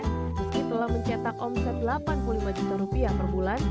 meski telah mencetak omset delapan puluh lima juta rupiah per bulan